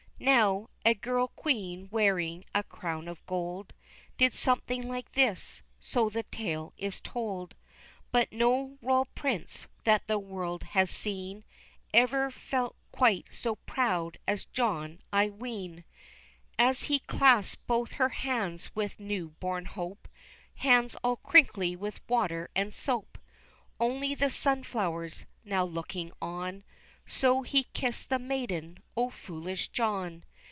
Now, a girl queen wearing a crown of gold Did something like this, so the tale is told; But no royal prince that the world has seen Ever felt quite so proud as John, I ween, As he clasped both her hands with new born hope Hands all crinkley with water and soap. Only the sunflowers, now looking on, So he kissed the maiden, O foolish John!